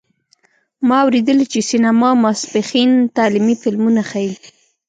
ما اوریدلي چې سینما ماسپښین تعلیمي فلمونه ښیې